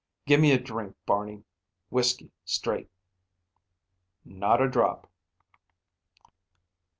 "Gimme a drink, Barney. Whiskey, straight." "Not a drop."